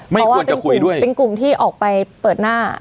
ไม่ควรจะคุยด้วยเป็นกลุ่มที่ออกไปเปิดหน้า